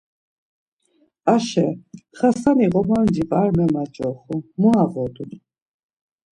Aşe, Xasani ğomamci var memacoxu, mu ağodu?